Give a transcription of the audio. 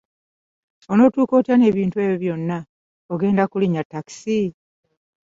Onatuuka otya n'ebintu ebyo byonna, ogenda kulinnya takisi?